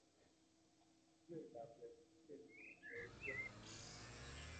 Ruei lakwet, tieni iyoo tiendo